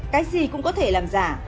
cái gì cũng có thể làm giả